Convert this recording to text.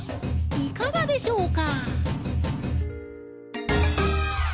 いかがでしょうか？